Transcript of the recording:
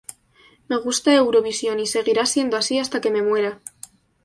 Me gusta Eurovisión y seguirá siendo así hasta que me muera.